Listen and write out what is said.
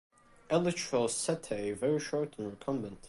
Elytral setae very short and recumbent.